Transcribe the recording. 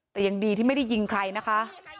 แต่ยังดีที่ไม่ได้ยิงใครนะคะ